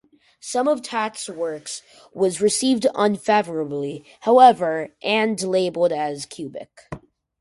Some of Taut's work was received unfavorably, however, and labelled as "cubic".